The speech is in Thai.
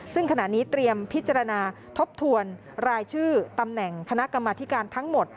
ซึ่งขณะนี้เตรียมพิจารณาทบทวนรายชื่อตำแหน่งคณะกรรมธิการทั้งหมด